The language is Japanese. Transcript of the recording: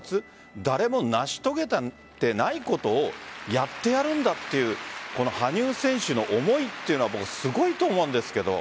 誰も成し遂げてないことをやってやるんだという羽生選手の思いというのはすごいと思うんですけれど。